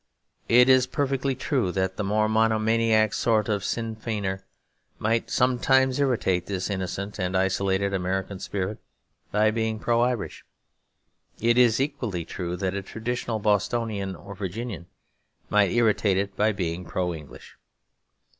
It is perfectly true that the more monomaniac sort of Sinn Feiner might sometimes irritate this innocent and isolated American spirit by being pro Irish. It is equally true that a traditional Bostonian or Virginian might irritate it by being pro English.